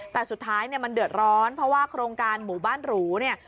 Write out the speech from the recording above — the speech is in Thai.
แต่สุดท้ายเนี่ยมันเดือดร้อนเพราะว่าโครงการหมู่บ้านหรูเนี่ย